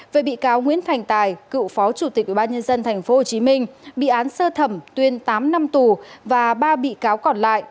về bị cáo nguyễn thành tài cựu phó chủ tịch ubnd tp hcm bị án sơ thẩm tuyên tám năm tù và ba bị cáo còn lại